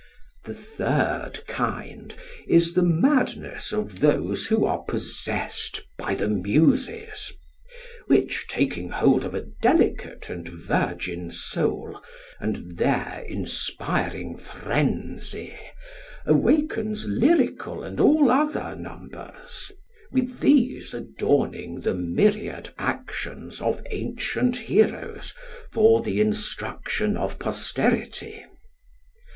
The third kind is the madness of those who are possessed by the Muses; which taking hold of a delicate and virgin soul, and there inspiring frenzy, awakens lyrical and all other numbers; with these adorning the myriad actions of ancient heroes for the instruction of posterity.